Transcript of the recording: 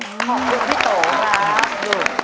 ขอบคุณพี่โตครับ